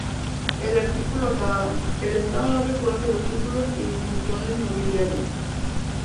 El artículo acababa: "El Estado no reconoce los títulos y distinciones nobiliarios".